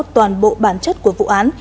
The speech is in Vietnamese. toàn bộ bản chất của vụ án